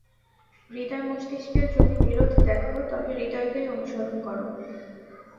হৃদয় মস্তিষ্কের যদি বিরোধ দেখ, তবে হৃদয়কেই অনুসরণ কর।